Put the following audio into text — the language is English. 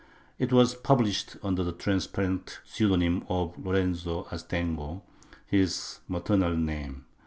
It was published under the transparent pseu donym of Lorenzo Astengo, his maternal name.